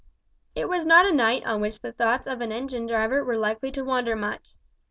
It was not a night on which the thoughts of an engine driver were likely to wander much.